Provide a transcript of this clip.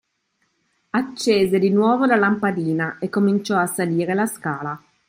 Accese di nuovo la lampadina e cominciò a salire la scala.